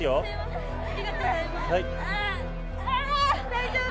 大丈夫？